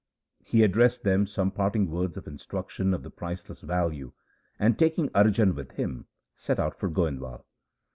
He addressed them some parting words of instruction of priceless value, and taking Arjan with him set out for Goindwal.